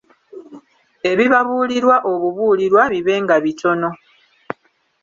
Ebibabuulirwa obubuulirwa bibenga bitono.